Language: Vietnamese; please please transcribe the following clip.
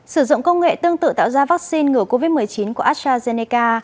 sử dụng công nghệ tương tự tạo ra vaccine ngừa covid một mươi chín của astrazeneca